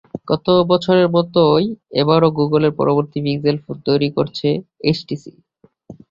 গত বছরের মতোই এবারেও গুগলের পরবর্তী পিক্সেল ফোন তৈরি করছে এইচটিসি।